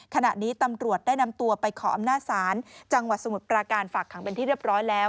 ขณะนี้ตำรวจได้นำตัวไปขออำนาจศาลจังหวัดสมุทรปราการฝากขังเป็นที่เรียบร้อยแล้ว